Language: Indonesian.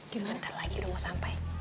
sebentar lagi udah mau sampai